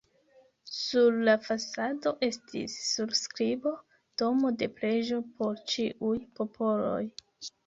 Sur la fasado estis surskribo: "Domo de preĝo por ĉiuj popoloj".